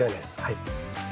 はい。